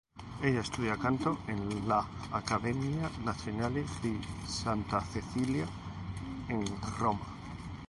Ella estudia canto en la Accademia Nazionale di Santa Cecilia, en Roma.